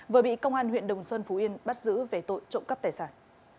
vừa bị công an huyện đồng xuân phú yên bắt giữ về tội trộm cắp tài sản